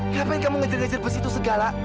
ngapain kamu ngejar ngajar pas itu segala